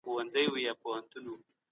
موږ د پرمختګ لپاره ټولنیز ژوند ته اړ یو.